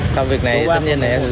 sau việc này tất nhiên là em rất vui